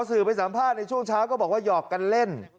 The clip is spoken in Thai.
สื่อไปสัมภาษณ์ในช่วงเช้าก็บอกว่าหยอกกันเล่น